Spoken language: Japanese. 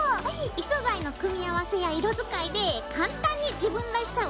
異素材の組み合わせや色使いで簡単に自分らしさを出せちゃうよ。